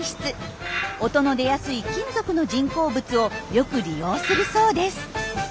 音の出やすい金属の人工物をよく利用するそうです。